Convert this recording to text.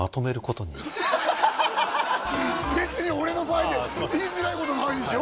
別に俺の前で言いづらいことはないでしょ？